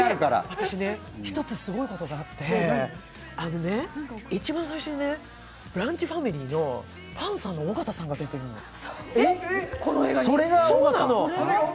私ね、１つすごいことがあって、一番最初にブランチファミリーのパンサーの尾形さんが出ているの。